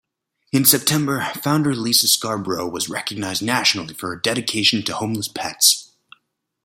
In September, founder Lisa Scarbrough was recognized nationally for her dedication to homeless pets.